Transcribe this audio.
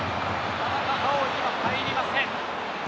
田中碧には入りません。